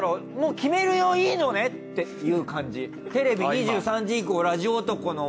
決めるよいいのね？っていう感じ。